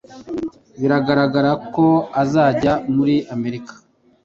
Biragaragara ko azajya muri Amerika